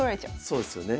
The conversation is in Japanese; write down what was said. そうですよね。